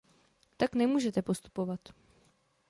Tak nemůžete postupovat.